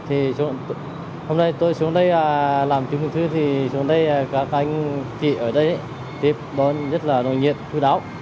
hôm nay tôi xuống đây làm chứng minh thư thì xuống đây các anh chị ở đây tiếp đón rất là nội nhiệt thư đáo